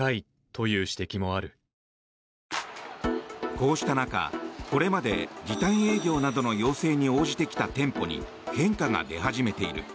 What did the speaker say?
こうした中、これまで時短営業などの要請に応じてきた店舗に変化が出始めている。